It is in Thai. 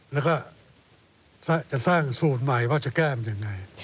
แล้วก็จะสร้างสูตรใหม่ว่าจะแก้มันยังไง